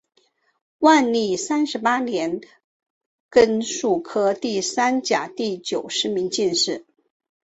万历三十八年庚戌科第三甲第九十名进士。